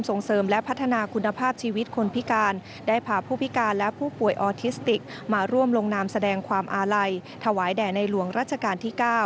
ส่งเสริมและพัฒนาคุณภาพชีวิตคนพิการได้พาผู้พิการและผู้ป่วยออทิสติกมาร่วมลงนามแสดงความอาลัยถวายแด่ในหลวงรัชกาลที่๙